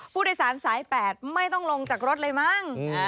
ผู้โดยสารสาย๘ไม่ต้องลงจากรถเลยมั้ง